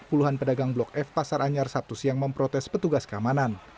puluhan pedagang blok f pasar anyar sabtu siang memprotes petugas keamanan